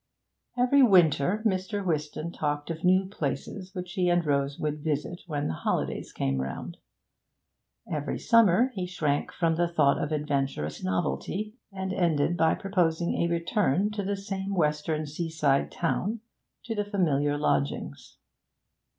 Every winter Mr. Whiston talked of new places which he and Rose would visit when the holidays came round; every summer he shrank from the thought of adventurous novelty, and ended by proposing a return to the same western seaside town, to the familiar lodgings.